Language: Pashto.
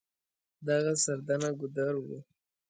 دغه سردنه ګودر و.